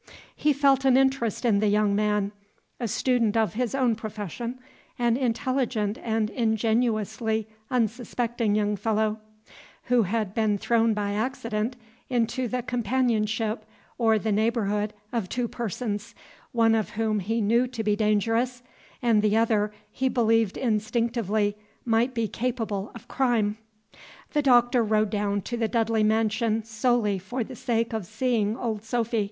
He felt an interest in the young man, a student of his own profession, an intelligent and ingenuously unsuspecting young fellow, who had been thrown by accident into the companionship or the neighborhood of two persons, one of whom he knew to be dangerous, and the other he believed instinctively might be capable of crime. The Doctor rode down to the Dudley mansion solely for the sake of seeing old Sophy.